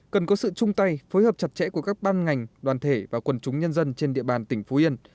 cần có sự chung tay phối hợp chặt chẽ của các ban ngành đoàn thể và quần chúng nhân dân trên địa bàn tỉnh phú yên